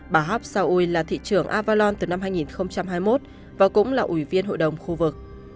bà hap seoui là thị trưởng avalon từ năm hai nghìn hai mươi một và cũng là ủy viên hội đồng khu vực